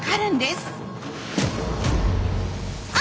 あ！